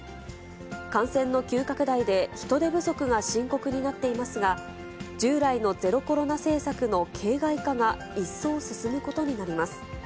感染の急拡大で、人手不足が深刻になっていますが、従来のゼロコロナ政策の形骸化が一層進むことになります。